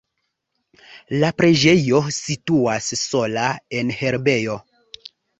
La preĝejo situas sola en herbejo.